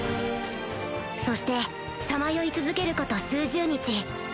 そしてさまよい続けること数十日。